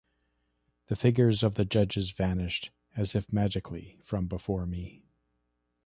The figures of the judges vanished, as if magically, from before me.